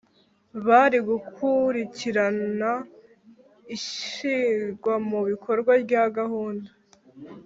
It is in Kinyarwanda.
Bari gukurikirana ishyirwa mu bikorwa rya gahunda.